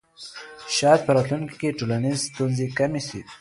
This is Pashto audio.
شاید په راتلونکي کې ټولنیزې ستونزې کمې سي.